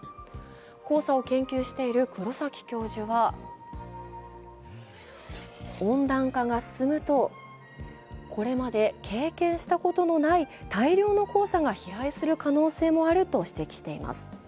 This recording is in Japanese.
黄砂を研究している黒崎教授は温暖化が進むとこれまで経験したことのない大量の黄砂が飛来する可能性もあると指摘しています。